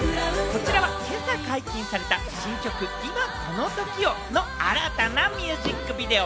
こちらは今朝解禁された新曲『今この瞬間を』の新たなミュージックビデオ。